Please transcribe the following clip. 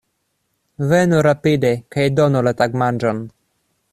Venu rapide kaj donu la tagmanĝon!